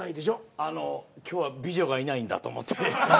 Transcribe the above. あの今日は美女がいないんだと思って。